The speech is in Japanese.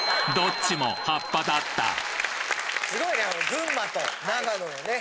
群馬と長野のね